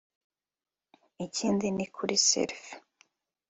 ikindi ni kuri selfie